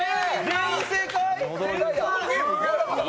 全員正解？！